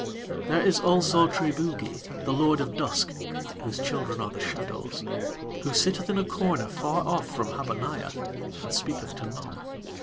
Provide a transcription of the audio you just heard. There is also Triboogie, the Lord of Dusk, whose children are the shadows, who sitteth in a corner far off from Habaniah and speaketh to none.